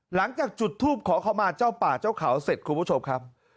หลังจากจุดทูปขอเข้ามาเจ้าป่าเจ้าเขาเสร็จคุณผู้ชมครับ